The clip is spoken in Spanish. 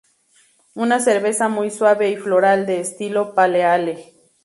Una cerveza muy suave y floral de estilo Pale Ale.